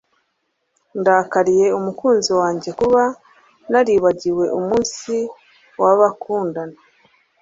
Ndakariye umukunzi wanjye kuba naribagiwe umunsi wabakundana